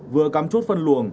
vừa cắm chút phân luận